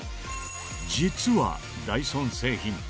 実はダイソン製品